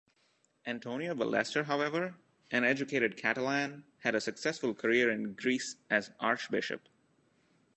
Antonio Ballester, however, an educated Catalan, had a successful career in Greece as archbishop.